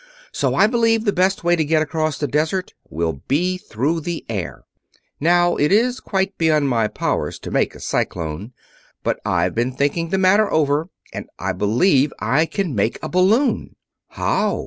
So I believe the best way to get across the desert will be through the air. Now, it is quite beyond my powers to make a cyclone; but I've been thinking the matter over, and I believe I can make a balloon." "How?"